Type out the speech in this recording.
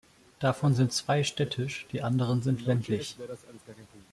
Davon sind zwei städtisch, die anderen sind ländlich.